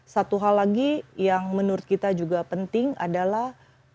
satu hal lagi yang menurut kita juga penting adalah